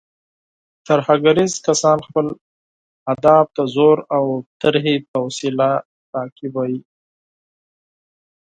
ترهګریز کسان خپل اهداف د زور او ترهې په وسیله تعقیبوي.